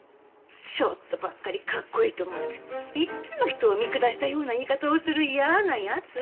ちょっとばっかりかっこいいと思っていっつも人を見下したような言い方をする嫌な奴！